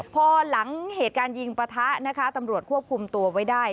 พอหลังเหตุการณ์ยิงปะทะนะคะตำรวจควบคุมตัวไว้ได้